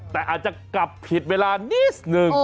แต่อาจจะกลับผิดเวลานิดนึง